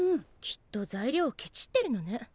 きっと材料をケチってるのね。